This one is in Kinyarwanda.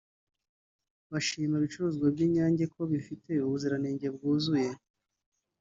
bashima ibicuruzwa by’Inyange ko bifite ubuziranenge bwuzuye